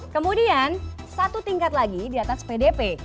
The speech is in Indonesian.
kemudian satu tingkat lagi di atas pdp